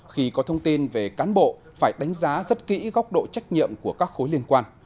khi có thông tin về cán bộ phải đánh giá rất kỹ góc độ trách nhiệm của các khối liên quan